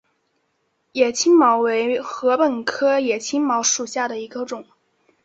野青茅为禾本科野青茅属下的一个种。